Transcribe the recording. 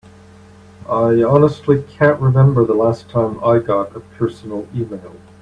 I honestly can't remember the last time I got a personal email.